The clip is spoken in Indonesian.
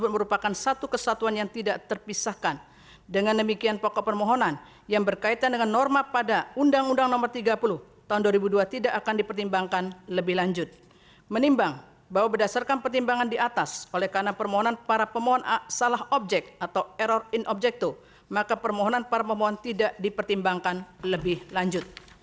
menimbang bahwa berdasarkan pertimbangan di atas oleh karena permohonan para pemohon a salah objek atau error in objecto maka permohonan para pemohon tidak dipertimbangkan lebih lanjut